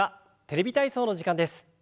「テレビ体操」の時間です。